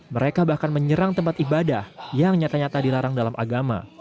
mereka bahkan menyerang tempat ibadah yang nyata nyata dilarang dalam agama